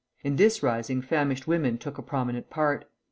In this rising famished women took a prominent part.